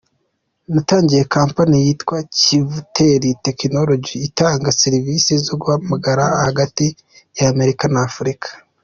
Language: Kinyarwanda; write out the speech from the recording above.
Natangiye company yitwa Kivutel Technologies itanga services zo guhamagara hagati y’Amerika na Afurika.